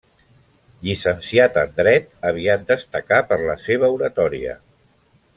Llicenciat en dret, aviat destacà per la seva oratòria.